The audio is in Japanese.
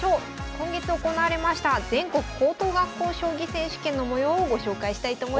今月行われました全国高等学校将棋選手権の模様をご紹介したいと思います。